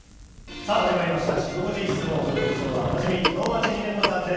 さあ、始まりました、シブ５時相撲部、部長はおなじみ、能町みね子さんです。